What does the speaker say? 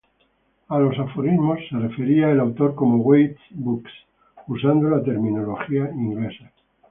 A los Aforismos se refería el autor como "waste books", usando la terminología inglesa.